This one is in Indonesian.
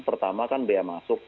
pertama kan biaya masuk